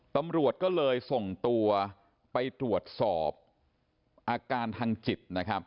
ตำรวจก็เลยส่งตัวไปตรวจสอบอาการทางจิตนะครับ